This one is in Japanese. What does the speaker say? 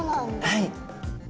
はい。